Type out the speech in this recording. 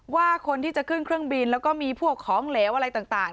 ว่าคนที่จะขึ้นเครื่องบินแล้วก็มีพวกของเหลวอะไรต่าง